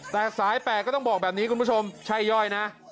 แต่สาย๘ก็ต้องบอกแบบนี้คุณผู้ชมใช่ย่อยนะ